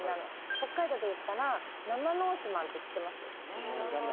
北海道でいったら、生ノースマンって知ってます？